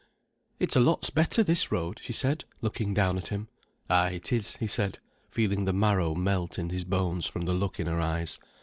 "It's a lot's better this road," she said, looking down at him. "Ay, it is," he said, feeling the marrow melt in his bones from the look in her eyes.